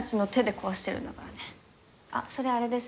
あっそれあれです